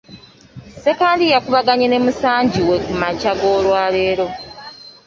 Ssekandi yakubaganye ne musangi we ku makya g’olwaleero.